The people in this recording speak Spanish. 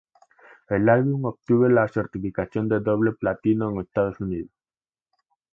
El álbum obtuvo la certificación de doble platino en Estados Unidos.